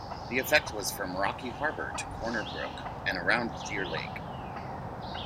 The effect was from Rocky Harbour to Corner Brook and around Deer Lake.